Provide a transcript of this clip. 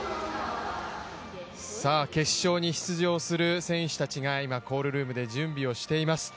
決勝に出場する選手たちがコールルームで準備をしています。